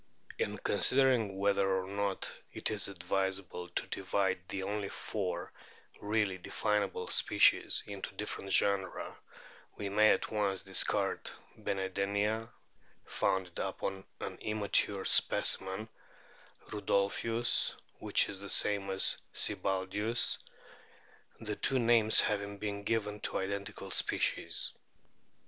In considering whether or not it is advisable to divide the only four really definable species into different genera we may at once discard Benedenia, founded upon an immature specimen, Rudolphius, which is the same as Sibbaldius, the two names having been given to identical species.